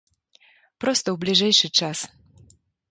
Проста ў бліжэйшы час.